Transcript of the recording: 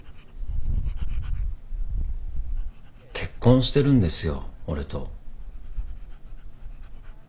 結婚してるんですよ俺と。